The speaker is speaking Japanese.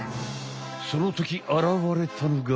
そのときあらわれたのが。